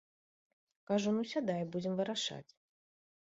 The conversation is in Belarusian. Кажу, ну сядай, будзем вырашаць.